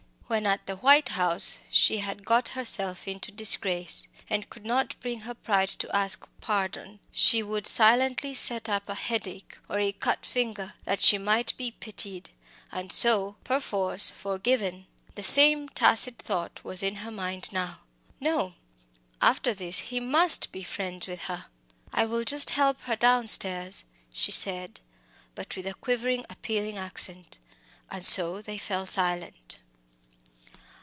When at the White House she had got herself into disgrace, and could not bring her pride to ask pardon, she would silently set up a headache or a cut finger that she might be pitied, and so, perforce, forgiven. The same tacit thought was in her mind now. No! after this he must be friends with her. "I will just help to get her downstairs," she said, but with a quivering, appealing accent and so they fell silent.